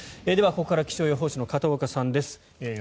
ではここから気象予報士の片岡さんです。